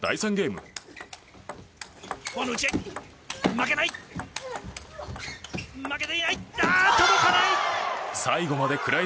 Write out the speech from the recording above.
負けない。